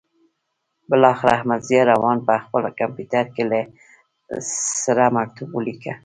بالاخره احمدضیاء روان په خپل کمپیوټر کې له سره مکتوب ولیکه.